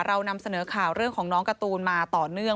เรานำเสนอข่าวเรื่องของน้องการ์ตูนมาต่อเนื่อง